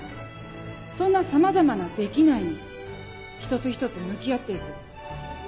そんなさまざまな「できない」に一つ一つ向き合って行く。